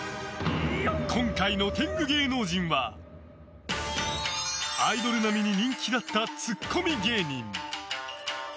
今回の天狗芸能人はアイドル並みに人気だったツッコミ芸人。